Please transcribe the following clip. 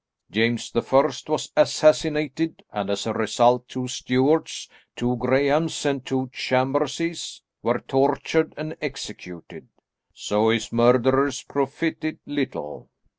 James the First was assassinated and as result two Stuarts, two Grahams and two Chamberses were tortured and executed; so his murderers profited little.